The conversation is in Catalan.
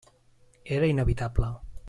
Era inevitable.